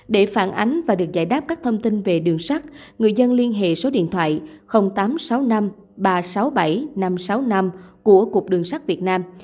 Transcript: để phản ánh và được giải đáp các thông tin về đường sắt người dân liên hệ số điện thoại tám trăm sáu mươi năm ba trăm sáu mươi bảy năm trăm sáu mươi năm của cục đường sắt việt nam